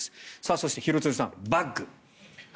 そして廣津留さん、バッグ。